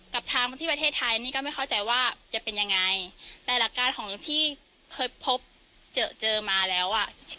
กับทางมาที่ประเทศไทยนี่ก็ไม่เข้าใจว่าจะเป็นยังไงแต่หลักการของที่เคยพบเจอเจอมาแล้วอ่ะ